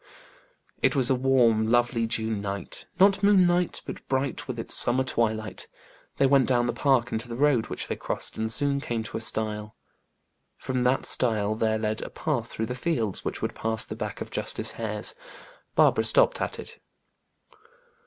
It was a warm, lovely June night, not moonlight, but bright with its summer twilight. They went down the park into the road, which they crossed, and soon came to a stile. From that stile there led a path through the fields which would pass the back of Justice Hare's. Barbara stopped at it.